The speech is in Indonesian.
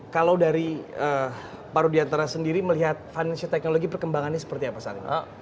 kalau dari pak rudi antara sendiri melihat financial technology perkembangannya seperti apa sian